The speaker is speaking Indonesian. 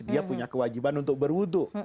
dia punya kewajiban untuk berwudhu